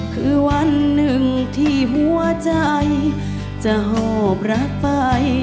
คือวันหนึ่งที่หัวใจจะหอบรักไป